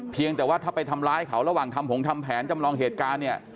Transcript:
เพียงแต่ว่าถ้าไปทำร้ายเขาระหว่างทำผงทำแผนจำลองเหตุการณ์เนี่ย